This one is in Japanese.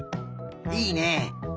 いいね。